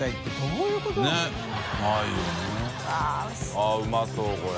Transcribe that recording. あっうまそうこれ。